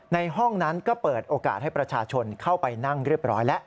ในห้องนั้นก็เปิดโอกาสให้ประชาชนเข้าไปนั่งเรียบร้อยแล้ว